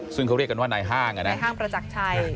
ซึ่งเขาเรียกกันว่านายห้างนายห้างประจักรชัย